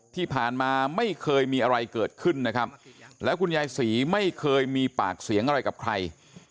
ที่ผ่านมาไม่เคยมีอะไรเกิดขึ้นนะครับแล้วคุณยายศรีไม่เคยมีปากเสียงอะไรกับใคร